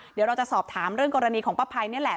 เดี๋ยวเราจะสอบถามเรื่องกรณีของป้าภัยนี่แหละ